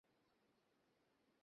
আন্টিকে কাকে বললি?